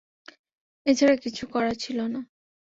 এছাড়া কিছু করার ছিল না।